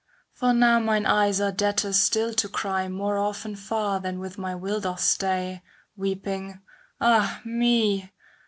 For now mine eyes are debtors still to cry ^ More often far than with my will doth stay. Weeping, ah me